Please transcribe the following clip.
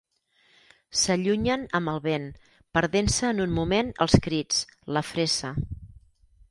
S’allunyen amb el vent, perdent-se en un moment els crits, la fressa...